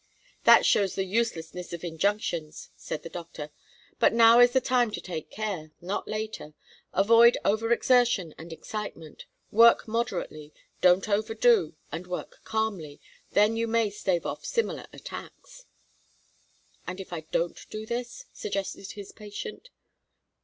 "That shows the uselessness of injunctions," said the doctor. "But now is the time to take care, not later. Avoid over exertion and excitement; work moderately, don't over do, and work calmly, then you may stave off similar attacks." "And if I don't do this?" suggested his patient.